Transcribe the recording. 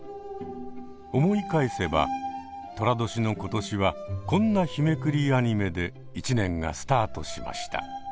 思い返せばとら年の今年はこんな日めくりアニメで一年がスタートしました。